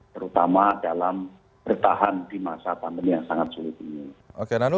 terutama dalam bertahan di masa pandemi yang sangat sulit ini